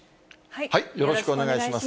よろしくお願いします。